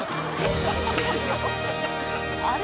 あれ？